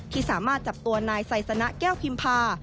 ที่สามารถจับตัวนายไซสนะแก้วพิมพา